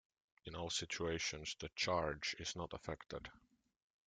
In all situations, the charge is not affected.